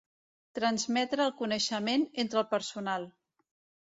Transmetre el coneixement entre el personal.